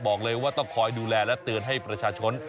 บอกเลยว่าต้องคอยดูแลและเตือนให้ประชาชน